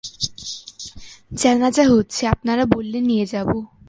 জানাজা হচ্ছে, আপনারা বললে নিয়ে যাবো।